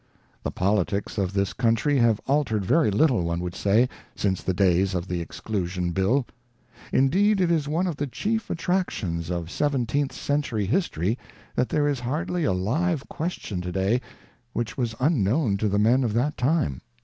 The politics of this country have altered very little, one would say, since the days of the Exclusion Bill. Indeed it is one of the chief attractions of Seven teenth Century history that there is hardly a live question to day which was unknown to the men of that time.